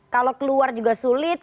kalau keluar juga sulit